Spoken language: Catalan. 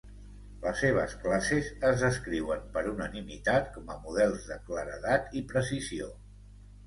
Les seves classes es descriuen per unanimitat com a models de claredat i precisió.